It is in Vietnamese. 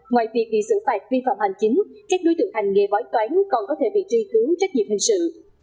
ngoài việc bị xử phạt vi phạm hành chính các đối tượng hành nghề bói toán còn có thể bị truy cứu trách nhiệm hình sự